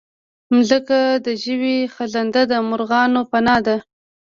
مځکه د ژوي، خزنده، مرغانو پناه ده.